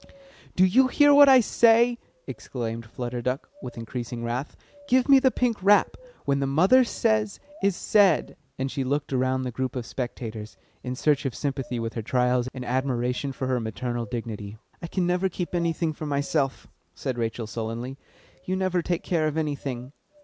"Do you hear what I say?" exclaimed Flutter Duck, with increasing wrath. "Give me the pink wrap! When the mother says is said!" And she looked around the group of spectators, in search of sympathy with her trials and admiration for her maternal dignity. "I can never keep anything for myself," said Rachel sullenly. "You never take care of anything."